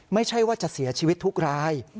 ไม่ใช่ว่าจะเสียชีวิตทุกราย